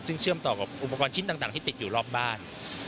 ซึ่งเชื่อมต่อกับอุปกรณ์ชิ้นต่างที่ติดอยู่รอบบ้าน